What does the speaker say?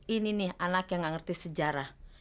ini nih anak yang gak ngerti sejarah